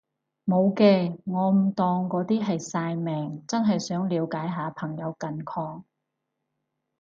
無嘅，我唔當嗰啲係曬命，真係想了解下朋友近況